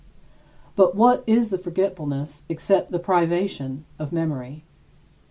But what is forgetfulness except the privation of memory?